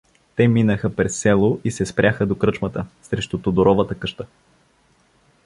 Те минаха през село и се спряха до кръчмата, срещу Тодоровата къща.